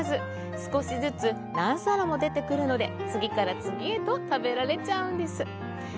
少しずつ何皿も出てくるので、次から次へと食べられちゃうんです。